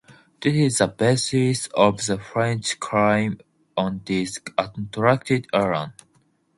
This is the basis of the French claim on this Antarctic land.